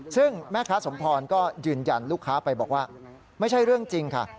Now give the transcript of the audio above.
ซึ่งแม่ค้าสมพรก็ยืนยันลูกค้าไปบอกว่าไม่ใช่เรื่องจริงค่ะ